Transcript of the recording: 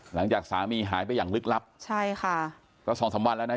หลังจากสามีหายไปอย่างลึกลับใช่ค่ะก็สองสามวันแล้วนะ